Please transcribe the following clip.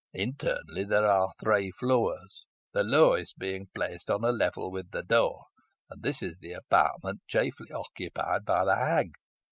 Internally there are three floors, the lowest being placed on a level with the door, and this is the apartment chiefly occupied by the hag.